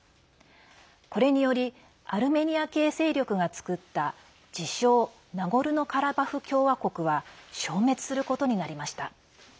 これによりアルメニア系勢力が作った自称ナゴルノカラバフ共和国は消滅することになりました。